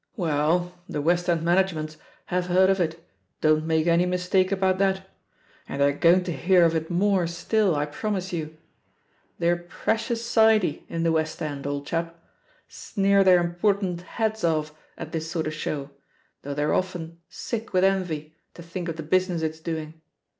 "Well, the West End managements Have heard of it — don't make any mistake about that; and they're going to hear of it more still, I prom ise you I They're precious sidey in the West End, old chap — sneer their important heads off at this sort of show, though they're often sick with envy to think of the business it's doing.